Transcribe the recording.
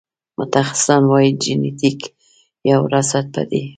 متخصصان وايي جنېتیک یا وراثت په دې